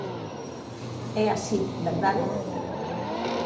É así, ¿verdade?